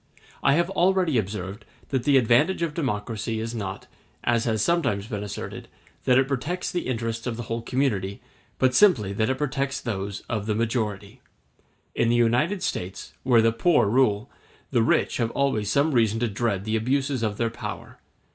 I have already observed that the advantage of democracy is not, as has been sometimes asserted, that it protects the interests of the whole community, but simply that it protects those of the majority. In the United States, where the poor rule, the rich have always some reason to dread the abuses of their power.